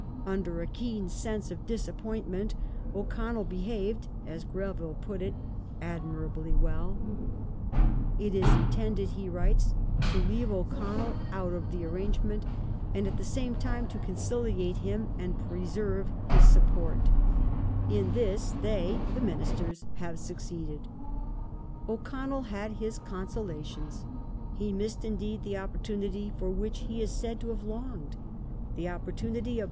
Under a keen sense of disappointment O'Connell behaved, as Greville put it, " admirably well "." It is intended," he writes, " to leave O'Connell out of the arrangement, and at the same time to conciliate him and preserve his support. In this * Recollections and Suggestions, p. 134. 1837] DRUMMOND IN IRELAND 125 they (the Ministers) have succeeded." O'Connell had his consola tions. He missed, indeed, the opportunity for which he is said to have longed — the " opportunity of.